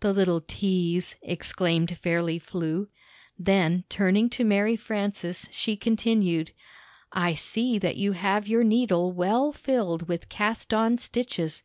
"The little tease!" exclaimed Fau ly Flew. Then turning to Mary Frances she continued: "I see that you have your needle well filled with cast on stitches.